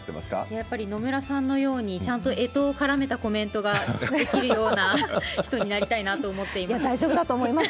やっぱり野村さんのように、ちゃんとえとを絡めたコメントができるような人になりたいなと思大丈夫だと思います。